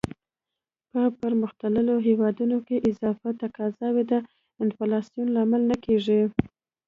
په پرمختللو هیوادونو کې اضافي تقاضا د انفلاسیون لامل نه کیږي.